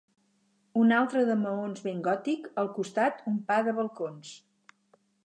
Un altre de maons ben gòtic al costat un pa de balcons